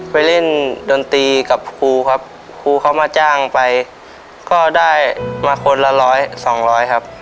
ไปเล่นดนตรีกับครูครับครูเขามาจ้างไปก็ได้มาคนละร้อยสองร้อยครับ